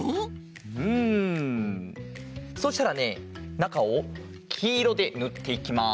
そしたらねなかをきいろでぬっていきます。